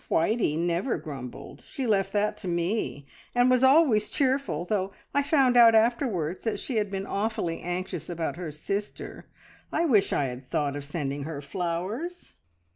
Whitey never grumbled. She left that to me, and was always cheerful, though I found out afterwards that she had been awfully anxious about her sister. I wish I had thought of sending her flowers!"